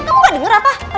kamu gak denger apa